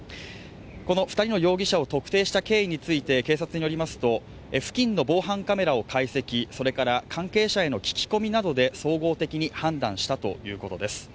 この２人の容疑者を特定した経緯について、警察によりますと付近の防犯カメラを解析それから関係者の聞き込みなどで総合的に判断したということです。